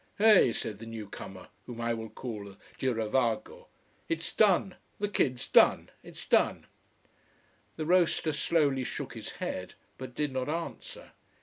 "Eh," said the newcomer, whom I will call the girovago, "it's done. The kid's done. It's done." The roaster slowly shook his head, but did not answer.